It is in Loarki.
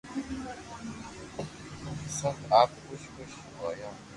بسب آپ خوݾ ھوݾ ھونن